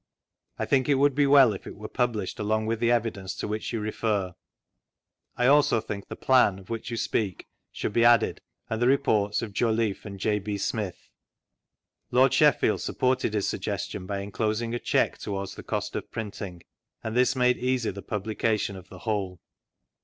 I think it would be well if it were published, along with the evidence to which you refer. 1 also think the Plan, of which you speak, should be added, and the report* of jollifie and ]. B. Smith." n„jN.«j v Google vUi INTRODUCTION. Lord Sheffield supported his suggestion by enclosing a cheque towards the cost of printing, and this made leasy the publication of the whole.